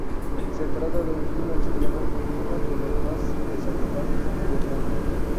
Se trata de un clima extremo y uno de los más deshabitados del mundo.